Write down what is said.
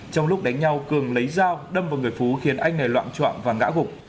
trong lúc đánh nhau cường lấy dao đâm vào người phú khiến anh này loạn trọng và ngã gục